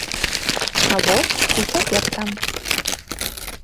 А воз і цяпер там.